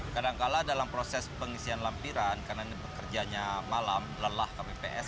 kadang kadang dalam proses pengisian lampiran karena ini bekerjanya malam lelah kpups